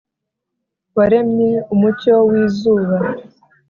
Waremye umucyo wizuba .